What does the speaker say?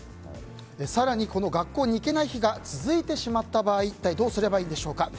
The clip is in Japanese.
更に学校に行けない日が続いてしまった場合一体、どうすればいいんでしょうか。